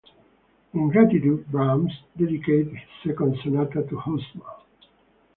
In gratitude, Brahms dedicated his Second Sonata to Hausmann.